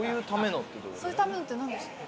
「そういうための」って何ですか？